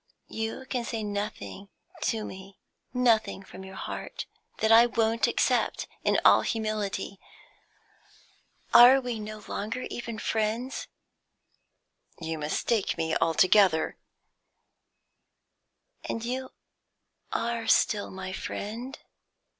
You can say nothing to me nothing from your heart that I won't accept in all humility. Are we no longer even friends?" "You mistake me altogether." "And you are still my friend?"